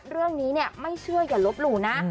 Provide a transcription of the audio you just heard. เรื่องนี้เนี่ยไม่เชื่ออย่าลบหลู่นะ